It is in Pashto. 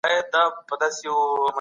د کتابونو چاپول هم خپل تاریخ لري.